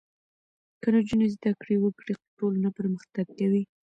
که نجونې زده کړې وکړي ټولنه پرمختګ کوي.